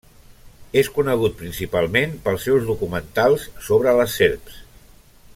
És conegut, principalment, pels seus documentals sobre les serps.